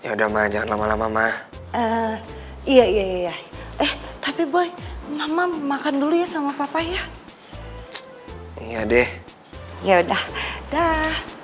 udah maja lama lama ma iya iya tapi boy nama makan dulu ya sama papa ya iya deh ya udah dah